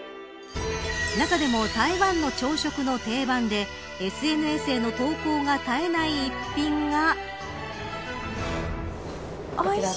中でも、台湾の朝食の定番でＳＮＳへの投稿が絶えない一品が。